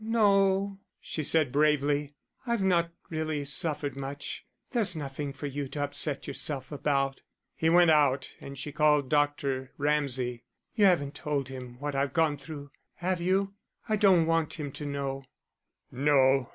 "No," she said, bravely. "I've not really suffered much there's nothing for you to upset yourself about." He went out, and she called Dr. Ramsay. "You haven't told him what I've gone through, have you? I don't want him to know."